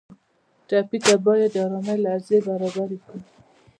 ټپي ته باید د ارامۍ لحظې برابرې کړو.